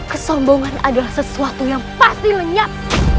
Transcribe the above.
kesombongan adalah sesuatu yang pasti lenyap